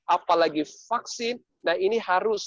apalagi vaksin nah ini harus